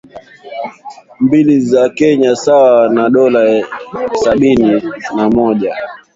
mbili za Kenya sawa na dola sabini na mmoja